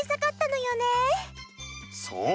そう。